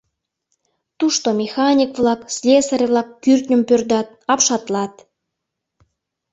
Тушто механик-влак, слесарь-влак кӱртньым пӧрдат, апшатлат.